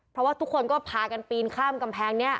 เพราะว่าทุกคนก็พากันปีนข้ามกำแพงนี้